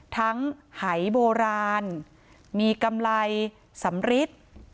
หายโบราณมีกำไรสำริท